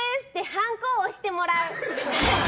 ハンコを押してもらう。